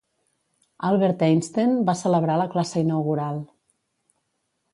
Albert Einstein va celebrar la classe inaugural.